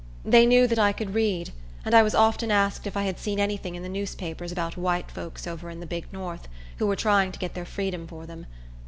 They knew that I could read; and I was often asked if I had seen any thing in the newspapers about white folks over in the big north, who were trying to get their freedom for them.